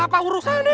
apa urusan ya